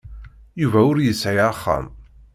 Yuba ur yesɛi axxam.